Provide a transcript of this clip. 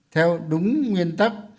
theo đúng nguyên tắc